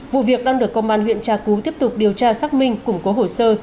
vụ việc đang được công an huyện tra cú tiếp tục điều tra xác minh củng cố hồ sơ